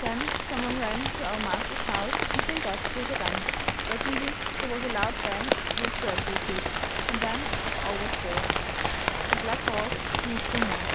Then some one ran to our master's house and came back with a gun; presently there was a loud bang and a dreadful shriek, and then all was still; the black horse moved no more.